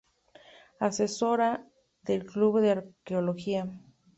Asesora del club de arqueología.